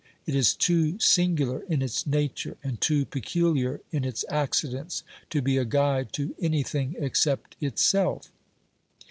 It is too singular in its nature and too peculiar in its accidents to be a guide to anything except itself.